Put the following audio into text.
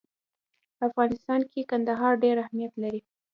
په افغانستان کې کندهار ډېر اهمیت لري.